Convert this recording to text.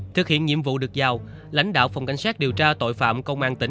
thực hiện nhiệm vụ được giao lãnh đạo phòng cảnh sát điều tra tội phạm công an tỉnh